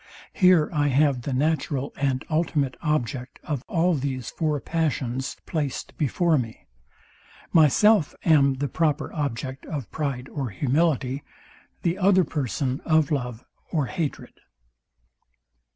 Here I have the natural and ultimate object of all these four passions placed before me. Myself am the proper object of pride or humility; the other person of love or hatred.